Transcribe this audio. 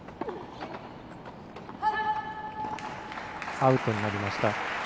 アウトになりました。